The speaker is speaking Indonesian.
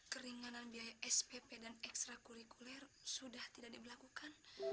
keringanan biaya spp dan ekstra kurikuler sudah tidak diberlakukan